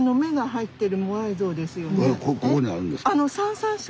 ここにあるんですか？